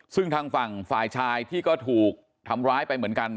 ซึ่งทางฝั่งฝ่ายชายที่ก็ถูกทำร้ายไปเหมือนกัน